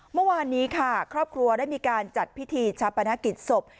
เมื่อวานนี้ค่ะครอบครัวได้มีการจัดพิธีชาปนกิจศพ